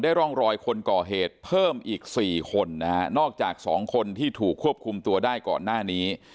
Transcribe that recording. ร่องรอยคนก่อเหตุเพิ่มอีก๔คนนะฮะนอกจากสองคนที่ถูกควบคุมตัวได้ก่อนหน้านี้